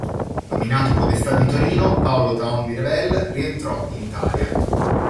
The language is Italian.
Nominato podestà di Torino Paolo Thaon di Revel rientrò in Italia.